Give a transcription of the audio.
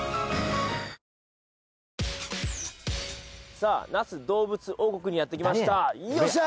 さあ那須どうぶつ王国にやって来ましたよっしゃ！